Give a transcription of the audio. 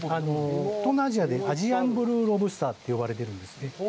東南アジアでアジアンブルーロブスターと呼ばれてるんですよね。